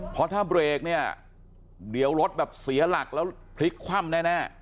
เพราะถ้าเบรกเนี่ยเดี๋ยวรถแบบเสียหลักแล้วพลิกคว่ำแน่